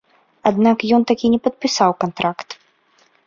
Аднак ён так і не падпісаў кантракт.